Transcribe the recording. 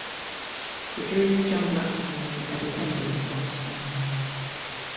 The Druze Jumblatt family are descendants of this family.